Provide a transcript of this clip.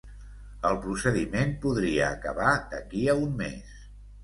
El procediment podria acabar d'aquí a un mes